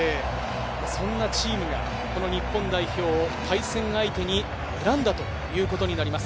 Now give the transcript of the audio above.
そんなチームがこの日本代表を対戦相手に選んだということになります。